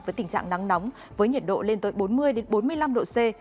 với tình trạng nắng nóng với nhiệt độ lên tới bốn mươi bốn mươi năm độ c